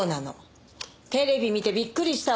テレビ見てびっくりしたわよ。